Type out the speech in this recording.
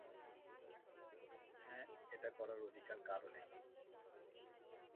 হ্যাঁ, এটা করার অধিকার কারো নেই।